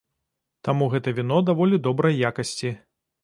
Таму гэта віно даволі добрай якасці.